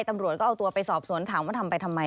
ตำรวจก็เอาตัวไปสอบสวนถามว่าทำไปทำไม